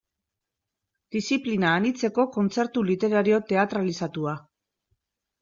Diziplina anitzeko kontzertu literario teatralizatua.